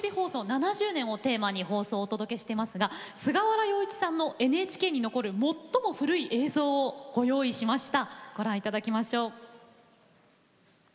７０年をテーマにお届けしていますが菅原洋一さんのＮＨＫに残る最も古い映像をご用意いたしました。